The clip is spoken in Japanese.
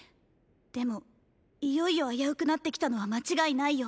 でもいよいよ危うくなってきたのは間違いないよ。